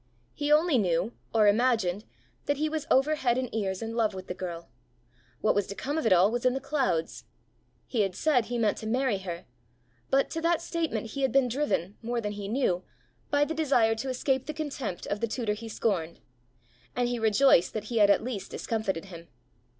He only knew, or imagined, that he was over head and ears in love with the girl: what was to come of it was all in the clouds. He had said he meant to marry her; but to that statement he had been driven, more than he knew, by the desire to escape the contempt of the tutor he scorned; and he rejoiced that he had at least discomfited him.